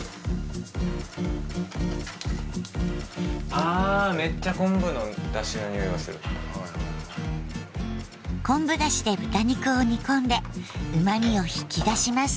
あめっちゃ昆布だしで豚肉を煮込んでうまみを引き出します。